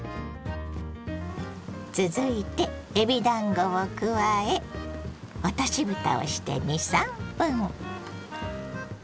続いてえびだんごを加え落としぶたをして２３分。